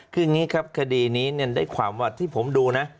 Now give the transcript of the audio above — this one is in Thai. คือแบบคดีนี้ได้ความว่าที่ผมดูนะ